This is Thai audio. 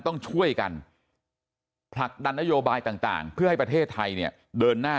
ต้องช่วยกันผลักดันนโยบายต่างเพื่อให้ประเทศไทยเนี่ยเดินหน้า